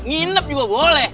nginep juga boleh